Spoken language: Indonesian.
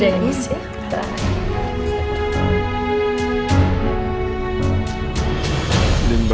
terima kasih untuk hari ini